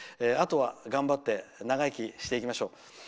あとは頑張って長生きしていきましょう。